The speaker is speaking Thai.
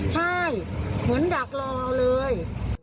ใช่เหมือนดักรอเลย